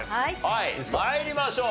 はい参りましょう。